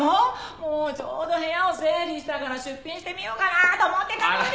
もうちょうど部屋を整理したから出品してみようかなあと思ってたのに！